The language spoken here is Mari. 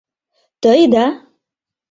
Тый, да!